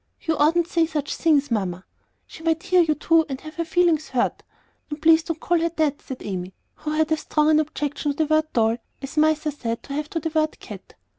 You oughtn't to say such things, Mamma; she might hear you, too, and have her feelings hurt. And please don't call her that," said Amy, who had as strong an objection to the word "doll" as mice are said to have to the word "cat."